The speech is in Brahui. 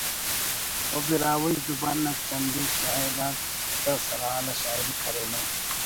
و براہوئی زبان نا چندی شاعر آک دا سر حال آ شاعری کرینو